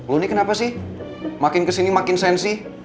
lo nih kenapa sih makin kesini makin sensi